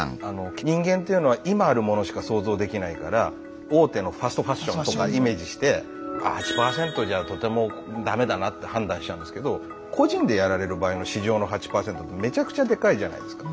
人間っていうのは今あるものしか想像できないから大手のファストファッションとかイメージして８％じゃとても駄目だなって判断しちゃうんですけど個人でやられる場合の市場の８％ってめちゃくちゃでかいじゃないですか。